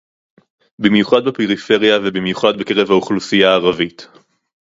במיוחד בפריפריה ובמיוחד בקרב האוכלוסייה הערבית